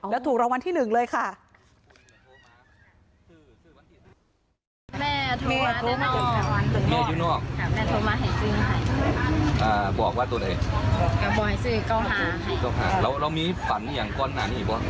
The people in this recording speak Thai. แล้วถูกระวันที่หนึ่งเลยค่ะ